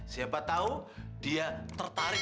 siapa tau dia tertarik